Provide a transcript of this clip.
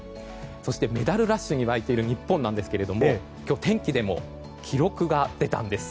そしてメダルラッシュに沸く日本ですが今日、天気でも記録が出たんです。